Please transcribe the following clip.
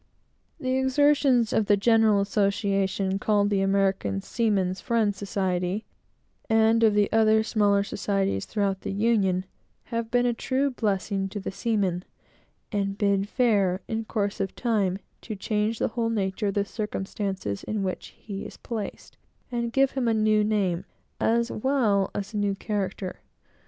The exertions of the general association, called the American Seamen's Friend Society, and of the other smaller societies throughout the Union, have been a true blessing to the seaman; and bid fair, in course of time, to change the whole nature of the circumstances in which he is placed, and give him a new name, as well as a new character.